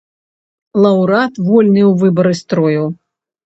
Лаўрэат вольны ў выбары строю.